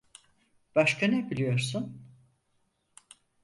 Başka ne biliyorsun?